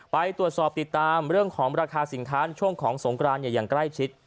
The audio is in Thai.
ไปตรวจสอบติดตามเรื่องของราคาสินค้าช่วงของสงกรานอย่างใกล้ชิด